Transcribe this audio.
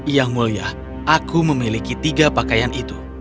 yang mulia aku memiliki tiga pakaian itu